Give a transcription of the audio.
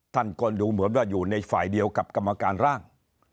ท่านก็ดูเหมือนว่าอยู่ในฝ่ายเดียวกับกรรมการร่าง